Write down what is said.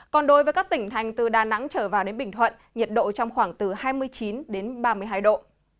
còn đối với các tỉnh thành từ đà nẵng trở vào đến bình thuận nhiệt độ trong khoảng từ hai mươi chín ba mươi hai độ